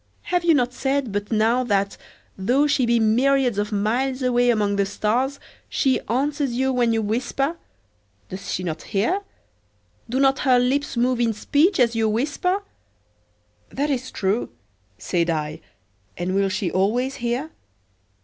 Have you not said but now that, though she be myriads of miles away among the stars, she answers you when you whisper? Does she not hear? Do not her lips move in speech as you whisper?" "That is true," said I. "And will she always hear?"